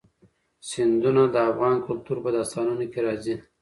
سیندونه د افغان کلتور په داستانونو کې راځي.